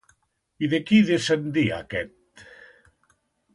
I de qui descendia aquest?